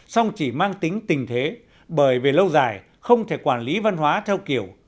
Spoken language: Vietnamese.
song chỉ mang tính tình thế bởi về lâu dài không thể quản lý văn hóa theo kiểu